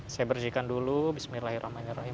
saya bersihkan dulu bismillahirrahmanirrahim